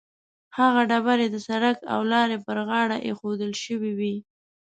هغه ډبرې د سړک او لارې پر غاړه ایښودل شوې وي.